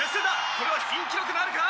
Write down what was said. これは新記録なるか？